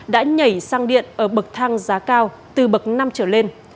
đã nhảy sang điện ở bức thang giá cao từ bức năm trở lên